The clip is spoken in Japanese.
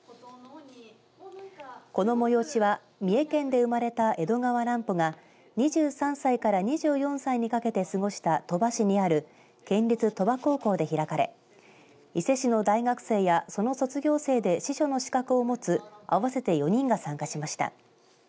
この催しは、三重県で生まれた江戸川乱歩が２３歳から２４歳にかけて過ごした鳥羽市にある県立鳥羽高校で開かれ伊勢市の大学生やその卒業生で司書の資格を持つ合わせて４人が参加しました。